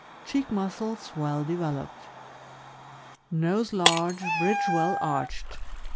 Cheek muscles well developed. Nose large, bridge well arched.